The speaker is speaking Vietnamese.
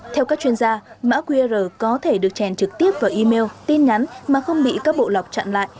theo các chuyên gia mã qr có thể được trèn trực tiếp vào email tin nhắn mà không bị các bộ lọc chặn lại